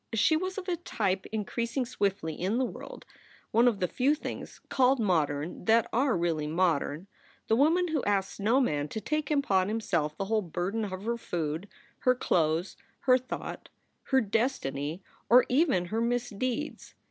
She was of a type increasing swiftly in the world (one of the few things called "modern" that are really modern), the woman who asks no man to take upon himself the whole burden of her food, her clothes, her thought, her destiny, or even her mis deeds.